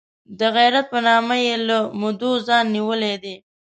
د غیرت په نامه یې له مودو ځان نیولی دی.